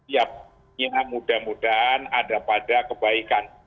ya mudah mudahan ada pada kebaikan